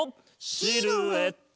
シルエット！